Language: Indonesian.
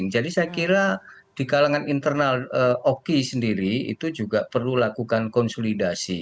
jadi saya kira di kalangan internal oki sendiri itu juga perlu lakukan konsolidasi